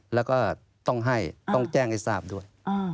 แล้วก็ต้องให้ต้องแจ้งให้ทราบด้วย